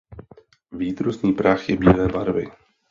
Výtrusný prach je bílé barvy.